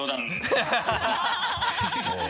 ハハハ